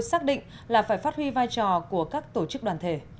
xác định là phải phát huy vai trò của các tổ chức đoàn thể